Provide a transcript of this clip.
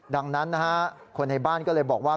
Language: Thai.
ดังนั้นนะฮะคนในบ้านก็เลยบอกว่า